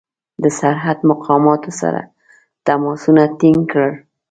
د سرحد مقاماتو سره تماسونه ټینګ کړل.